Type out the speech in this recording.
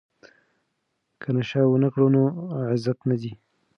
که نشه ونه کړو نو عزت نه ځي.